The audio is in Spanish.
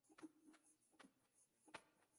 Todo volvió a su antiguo estado.